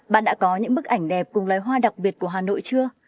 bạn đã có những bức ảnh đẹp cùng loài hoa đặc biệt của hà nội chưa